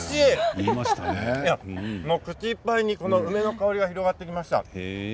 口いっぱいに梅の香りが広がってきました。